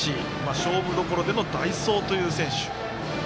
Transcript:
勝負どころでの代走という選手。